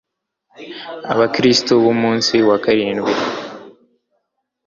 abakristo b'Umunsi wa karindwi.